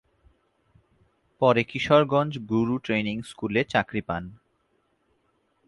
পরে কিশোরগঞ্জ 'গুরু ট্রেনিং' স্কুলে চাকুরী পান।